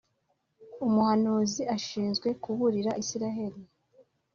Umuhanuzi ashinzwe kuburira israheli